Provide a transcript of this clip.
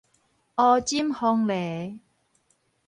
烏嬸黃鸝